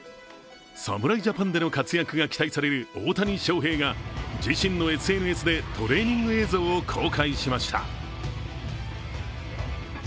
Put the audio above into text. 侍ジャパンでの活躍が期待される大谷翔平が自身のＳＮＳでトレーニング映像を公開しました。